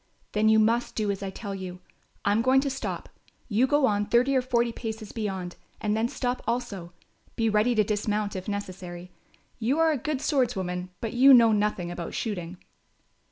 "Then you must do as I tell you. I am going to stop; you go on thirty or forty paces beyond and then stop also. Be ready to dismount if necessary. You are a good swordswoman, but you know nothing about shooting."